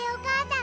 ん？